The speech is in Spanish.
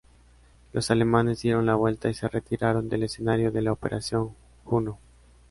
Los alemanes dieron la vuelta y se retiraron del escenario de la operación Juno.